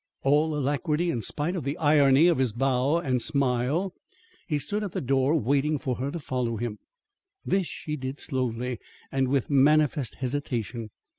All alacrity, in spite of the irony of his bow and smile, he stood at the door waiting for her to follow him. This she did slowly and with manifest hesitation.